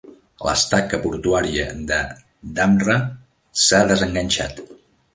L'estaca portuària de Dhamra s'ha desenganxat.